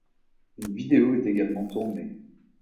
Une vidéo est également tournée.